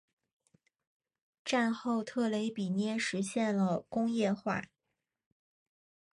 战后特雷比涅实现了工业化。